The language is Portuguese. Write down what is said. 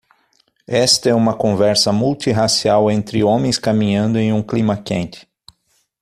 Esta é uma conversa multirracial entre homens caminhando em um clima quente.